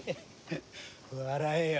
笑えよ。